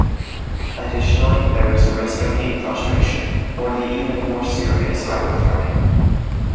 Additionally, there is risk of heat prostration or the even more serious hyperthermia.